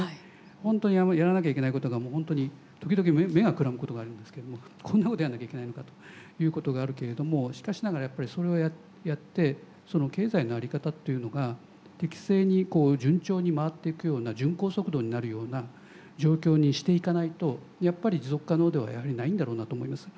本当にやらなきゃいけないことが本当に時々目がくらむことがありますけれどもこんなことやらなきゃいけないのかということがあるけれどもしかしながらやっぱりそれをやって経済の在り方っていうのが適正に順調に回っていくような巡航速度になるような状況にしていかないとやっぱり持続可能ではないんだろうなと思います。